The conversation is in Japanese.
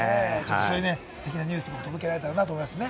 ステキのニュースも届けられたらと思います。